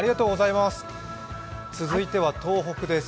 続いては東北です。